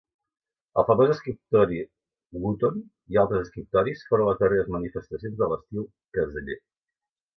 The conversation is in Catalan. El famós escriptori Wooton i altres escriptoris foren les darreres manifestacions de l'estil "caseller".